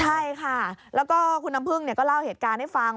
ใช่ค่ะแล้วก็คุณน้ำพึ่งก็เล่าเหตุการณ์ให้ฟัง